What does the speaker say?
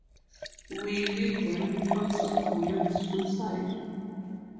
Willie then also commits suicide.